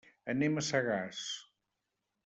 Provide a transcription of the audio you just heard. Anem a Sagàs.